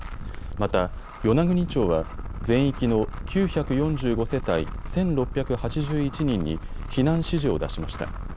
また与那国町は全域の９４５世帯１６８１人に避難指示を出しました。